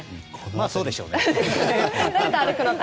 まあそうでしょうね。